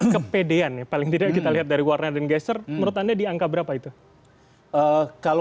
kepedean yang paling tidak kita lihat dari warna dan gesture menurut anda diangka berapa itu kalau